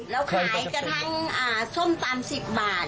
เราขายกระทั่งส้มตำ๑๐บาท